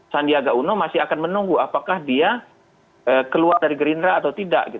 sandiaga uno masih akan menunggu apakah dia keluar dari gerindra atau tidak